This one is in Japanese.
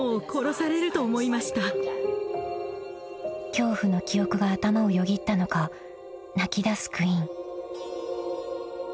［恐怖の記憶が頭をよぎったのか泣きだすクイン］